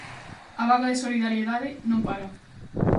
A vaga de solidariedade non para.